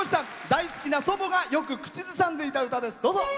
大好きな祖母がよく口ずさんでいた歌です。